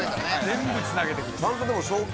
全部つなげてくる。